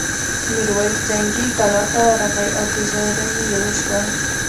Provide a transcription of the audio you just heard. میرويس جنګي کلا ته ورغی او پذيرايي یې وشوه.